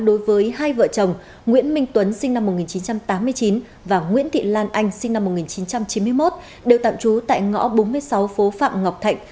đối với hai vợ chồng nguyễn minh tuấn sinh năm một nghìn chín trăm tám mươi chín và nguyễn thị lan anh sinh năm một nghìn chín trăm chín mươi một đều tạm trú tại ngõ bốn mươi sáu phố phạm ngọc thạch